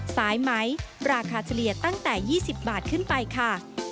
สายไหมราคาเฉลี่ยตั้งแต่๒๐บาทขึ้นไปค่ะ